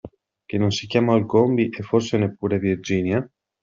Che non si chiama Olcombi e forse neppure Virginia?